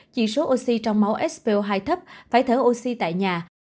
chỉ số oxy trong máu so hai thấp phải thở oxy tại nhà